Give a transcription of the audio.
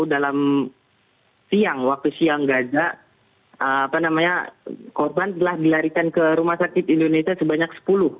dalam siang waktu siang gaza korban telah dilarikan ke rumah sakit indonesia sebanyak sepuluh